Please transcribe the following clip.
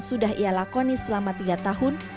sudah ia lakoni selama tiga tahun